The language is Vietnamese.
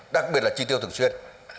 đặc biệt là chi tiêu thường xuyên